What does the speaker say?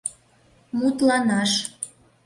— Мутланаш.